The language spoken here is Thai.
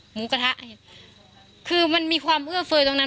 หมูกระทะคือมันมีความเอื้อเฟยตรงนั้น